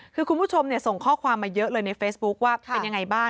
คือคุณผู้ชมส่งข้อความมาเยอะเลยในเฟซบุ๊คว่าเป็นยังไงบ้าง